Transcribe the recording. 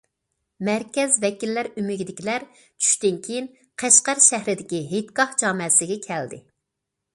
مەركەز ۋەكىللەر ئۆمىكىدىكىلەر چۈشتىن كېيىن، قەشقەر شەھىرىدىكى ھېيتگاھ جامەسىگە كەلدى.